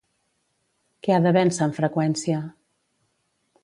Què ha de vèncer amb freqüència?